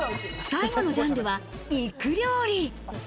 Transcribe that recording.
最後のジャンルは肉料理。